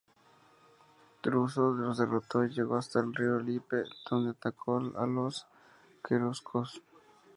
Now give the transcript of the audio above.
Druso los derrotó y llegó hasta el río Lippe, donde atacó a los queruscos.